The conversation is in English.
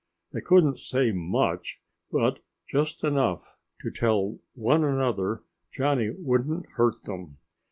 They couldn't say much, but just enough to tell one another Johnny wouldn't hurt them.